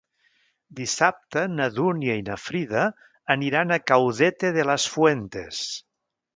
Dissabte na Dúnia i na Frida aniran a Caudete de las Fuentes.